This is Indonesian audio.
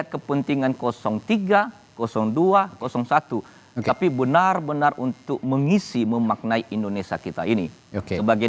kepentingan tiga dua satu tapi benar benar untuk mengisi memaknai indonesia kita ini sebagai